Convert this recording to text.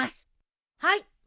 はい！